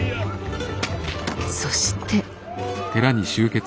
そして。